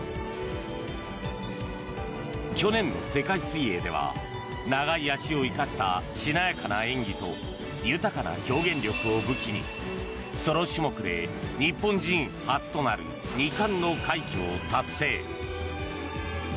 去年の世界水泳では長い脚を生かしたしなやかな演技と豊かな表現力を武器にソロ種目で日本人初となる２冠の快挙を達成。